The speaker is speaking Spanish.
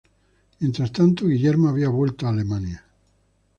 Mientras tanto, Guillermo había vuelto a Alemania.